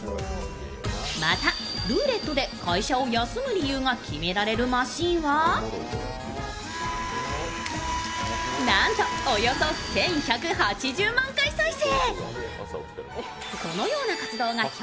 また、ルーレットで会社を休む理由が決められるマシーンはなんとおよそ１１８０万回再生。